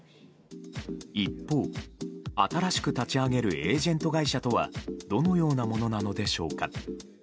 一方、新しく立ち上げるエージェント会社とはどのようなものなのでしょうか。